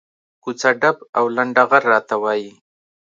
کوڅه ډب او لنډه غر راته وایي.